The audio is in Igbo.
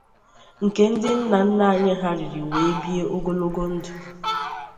nke ndị nna nna anyị ha riri wee bie ogologo ndụ